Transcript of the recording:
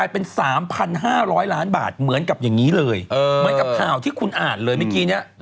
เป็นมูเตรูคุณต้องติดตามดี